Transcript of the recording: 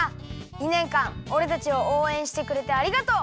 ２ねんかんおれたちをおうえんしてくれてありがとう！